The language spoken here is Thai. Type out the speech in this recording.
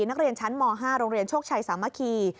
นักเรียนชั้นม๕โรงเรียนโชคชัยสามัคคี